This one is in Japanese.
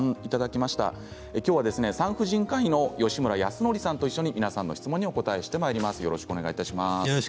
きょうは産婦人科医の吉村泰典さんと一緒に皆さんの質問にお答えしてまいります。